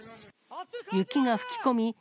雪が吹き込み